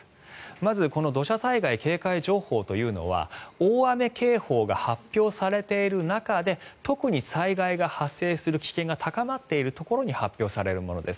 まず土砂災害警戒情報というのは大雨警報が発表されている中で特に災害が発生する危険が高まっているところに発表されるものです。